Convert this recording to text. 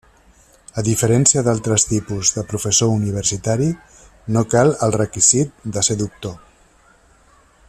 A diferència d'altres tipus de professor universitari, no cal el requisit de ser doctor.